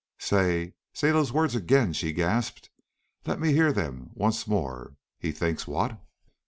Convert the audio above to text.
"Say say those words again!" she gasped. "Let me hear them once more. He thinks what?"